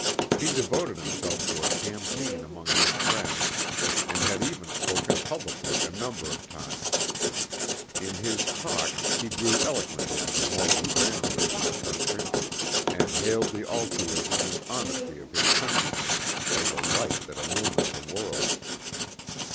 He devoted himself to a campaign among his friends and had even spoken publicly a number of times. In his talk he grew eloquent over the moral grandeur of his country and hailed the altruism and honesty of his countrymen as a light that illumined the world.